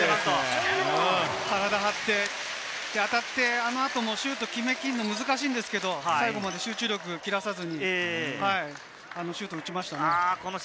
体張って、あの後、シュートを決めきるのは難しいんですけれども、集中力を切らさずにシュートを打ちましたね。